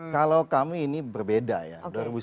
kalau kami ini berbeda ya